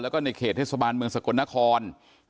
แล้วก็ในเขตเทศบาลเมืองสกลนคร